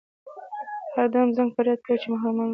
هر دم زنګ فریاد کوي چې محملونه وتړئ.